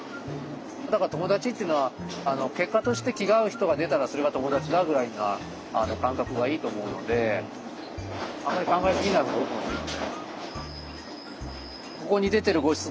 だから友達っていうのは結果として気が合う人が出たらそれが友達だぐらいな感覚がいいと思うのであまり考えすぎないほうがいい。